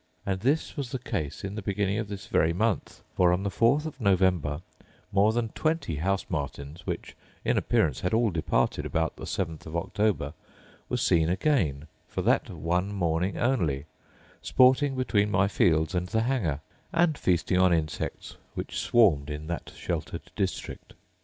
And this was the case in the beginning of this very month; for, on the fourth of November, more than twenty house martins, which, in appearance, had all departed about the seventh of October, were seen again, for that one morning only, sporting between my fields and the Hanger, and feasting on insects which swarmed in that sheltered district.